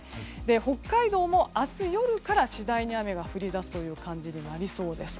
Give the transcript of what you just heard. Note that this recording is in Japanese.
北海道も明日夜から次第に雨が降り出す感じになりそうです。